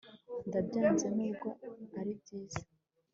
Ndabyanze nubwo ari byiza